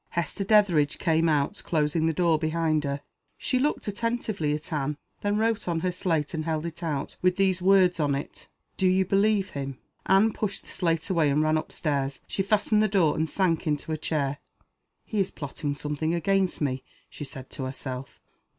Hester Dethridge came out, closing the door behind her. She looked attentively at Anne then wrote on her slate, and held it out, with these words on it: "Do you believe him?" Anne pushed the slate away, and ran up stairs. She fastened the door and sank into a chair. "He is plotting something against me," she said to herself.